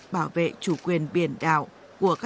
để vì chủ quyền thiên liêng của tổ quốc